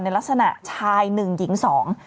ลักษณะชายหนึ่งหญิงสอง